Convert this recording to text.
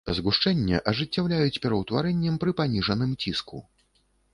Згушчэнне ажыццяўляюць пераўтварэннем пры паніжаным ціску.